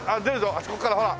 あそこからほら。